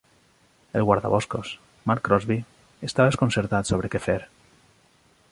El guardaboscos, Mark Crosby, està desconcertat sobre què fer.